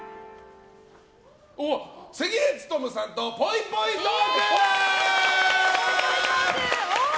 関根勤さんとぽいぽいトーク！